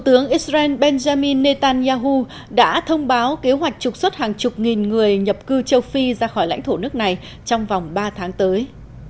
thủ tướng israel benjamin netanyahu đã thông báo kế hoạch trục xuất hàng chục nghìn người nhập cư châu phi ra khỏi lãnh thổ nước này trong vòng ba tháng tới